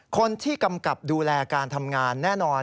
กำกับดูแลการทำงานแน่นอน